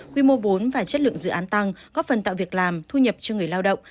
quy mô bốn và chất lượng dự án tăng góp phần tạo việc làm thu nhập cho người lao động